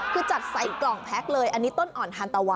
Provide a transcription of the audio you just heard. คือจัดใส่กล่องแพ็คเลยอันนี้ต้นอ่อนทานตะวัน